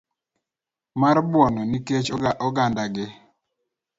mar buono ji nikech ogandagi.